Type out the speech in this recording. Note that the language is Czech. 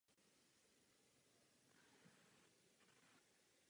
Následovalo trasování stavby.